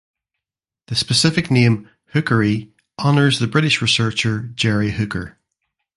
The specific name "hookeri" honours the British researcher Jerry Hooker.